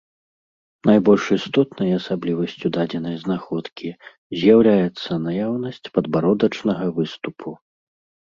Найбольш істотнай асаблівасцю дадзенай знаходкі з'яўляецца наяўнасць падбародачнага выступу.